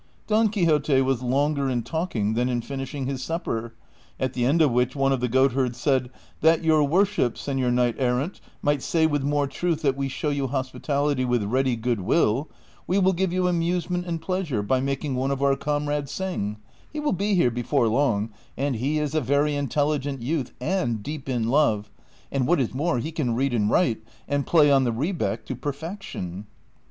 Don Quixote was longer in talking than in finishing his sup per, at the end of which one of the goatherds said, '^That your worship, senor knight errant, may say with more truth that we show you hospitality with ready good will, we will give you amusement and pleasure by making one of our comrades sing : he will be here before long, and he is a very intelligent youth and deep in love, and what is more he can read and write and play on the rebeck ^ to perfection."